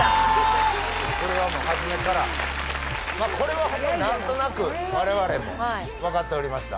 これは何となく我々も分かっておりました